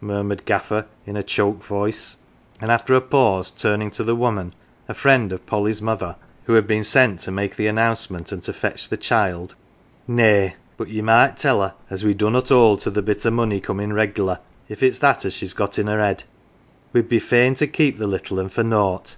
murmured Gaffer in a choked voice ; and after a pause, turning to the woman a friend of Polly's mother who had been sent to make the announcement and to fetch the child, " Nay, but ye might tell her, as we dunnot hold to the bit o' money comin 1 regular, if it's that as she's got in her head we'd be fain to keep the little un for nought.